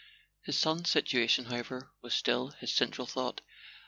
His son's situation, however, was still his central thought.